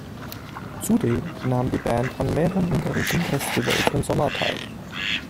Zudem nahm die Band an mehreren ungarischen Festivals im Sommer teil.